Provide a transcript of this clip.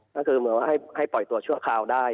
ก็คือเหมือนว่าให้ปล่อยตัวชั่วคราวได้